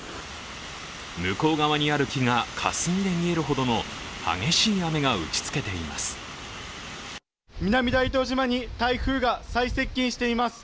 向こう側にある木が霞んで見えるほどの激しい雨が打ちつけています。